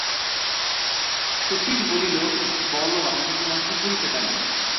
শচীশ বলিল, বলো আমি তোমার কী করিতে পারি?